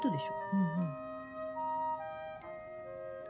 うんうん。